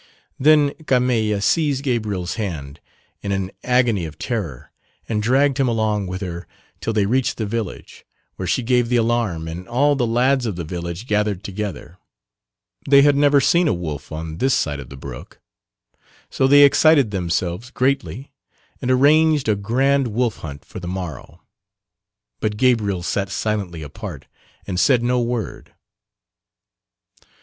Then Carmeille seized Gabriel's hand in an agony of terror and dragged him along with her till they reached the village, where she gave the alarm and all the lads of the village gathered together. They had never seen a wolf on this side of the brook, so they excited themselves greatly and arranged a grand wolf hunt for the morrow, but Gabriel sat silently apart and said no word.